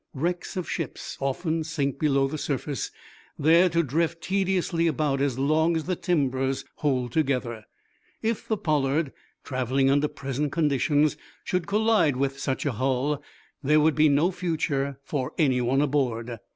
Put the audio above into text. Wrecks of ships often sink below the surface, there to drift tediously about as long as the timbers hold together. If the "Pollard," traveling under present conditions, should collide with such a hull, there would be no future for anyone aboard.